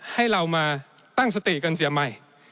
ให้เรามาตั้งสติกันเสียใหม่